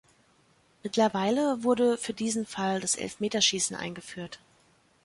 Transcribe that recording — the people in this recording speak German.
Mittlerweile wurde für diesen Fall das Elfmeterschießen eingeführt.